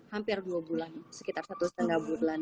hampir dua bulan sekitar satu setengah bulan